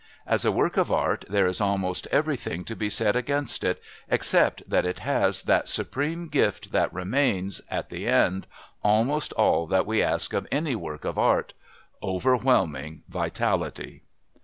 As a work of art there is almost everything to be said against it, except that it has that supreme gift that remains, at the end, almost all that we ask of any work of art, overwhelming vitality.